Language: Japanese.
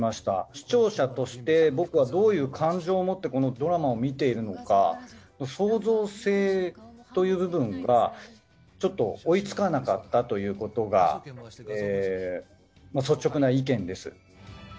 視聴者として僕はどういう感情を持ってこのドラマを見ているのか想像性という部分がちょっと追いつかなかったということが率直な意見です。